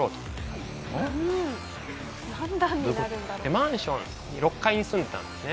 マンション６階に住んでいたんですね。